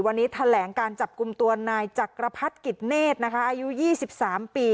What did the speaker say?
วันนี้แถลงการจับกลุ่มตัวนายจักรพรรดิกิจเนธนะคะอายุ๒๓ปี